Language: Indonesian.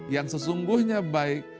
yang sesungguhnya baik